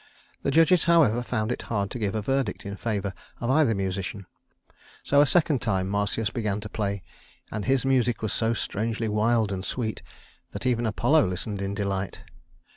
The judges, however, found it hard to give a verdict in favor of either musician; so a second time Marsyas began to play, and his music was so strangely wild and sweet that even Apollo listened in delight.